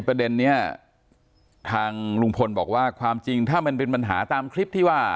ประเด็นนี้ทางลุงพลบอกว่าความจริงถ้ามันเป็นปัญหาตามคลิปที่ว่า